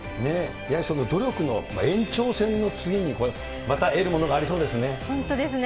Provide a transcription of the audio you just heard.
やはり努力の延長戦の次にまた得るものがありそうですね。